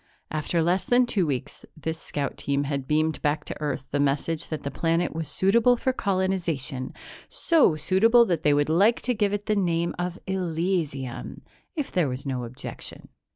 After less than two weeks, this scout team had beamed back to Earth the message that the planet was suitable for colonization, so suitable that they would like to give it the name of Elysium, if there was no objection.